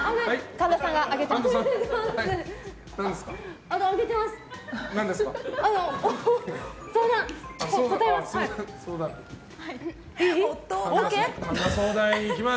神田さんが挙げてます。